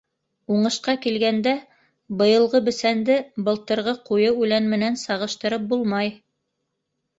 Уңышҡа килгәндә, быйылғы бесәнде былтырғы ҡуйы үлән менән сағыштырып булмай.